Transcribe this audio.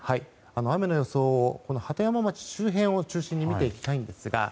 雨の予想を鳩山町周辺を中心に見ていきたいんですが。